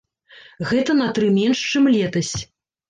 Гэта на тры менш, чым летась.